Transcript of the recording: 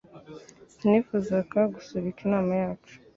Sinifuzaga gusubika inama yacu